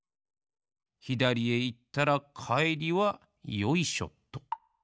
ひだりへいったらかえりはよいしょっと！